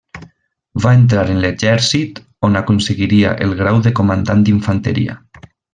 Va entrar en l'exèrcit, on aconseguiria el grau de Comandant d'Infanteria.